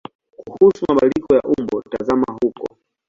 Kuhusu mabadiliko ya umbo tazama huko.